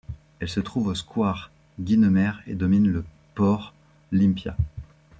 Elle se trouve au square Guynemer et domine le port Lympia.